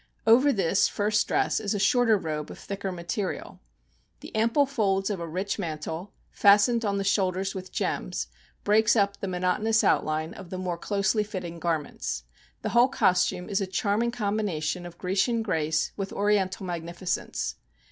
Over this first dress is a shorter robe of thicker material. The ample folds of a rich mantle, fastened on the shoulders with gems, breaks up the monotonous outline of the more closely fitting garments. The whole costume is a charming combination of Grecian grace with oriental magnificence.